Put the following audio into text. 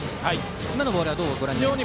今のボールはどうご覧になっていますか？